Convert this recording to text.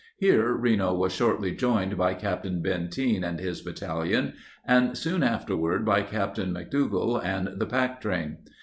Here Reno was shortly joined by Captain Benteen and his battalion and, soon afterward, by Captain McDougall and the packtrain.